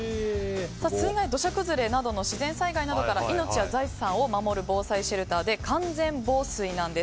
土砂崩れなどの自然災害などから命や財産を守る防災シェルターで完全防水なんです。